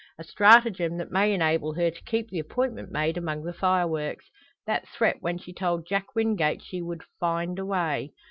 A stratagem that may enable her to keep the appointment made among the fireworks that threat when she told Jack Wingate she would "find away."